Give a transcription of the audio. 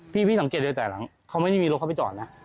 พี่สังเกตเลยแต่หลังเขาไม่ได้มีรถเข้าไปจอดนะ